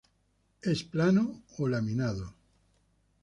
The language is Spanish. Es plano o laminado.